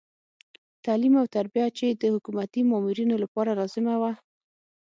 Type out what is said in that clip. تعلیم او تربیه چې د حکومتي مامورینو لپاره لازمه وه.